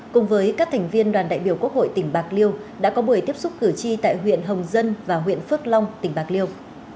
cùng với các thành viên đoàn đại biểu quốc hội tỉnh bạc liêu đã có buổi tiếp xúc cử tri tại huyện hồng dân và huyện phước long tỉnh bạc liêu